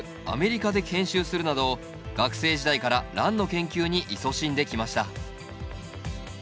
アメリカで研修するなど学生時代からランの研究にいそしんできました。